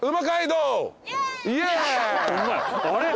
あれ？